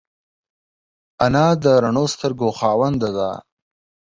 انا د روڼو سترګو خاوند ده